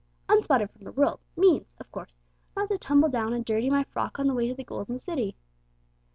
"'Unspotted from the world' means, of course, not to tumble down and dirty my frock on the way to the Golden City.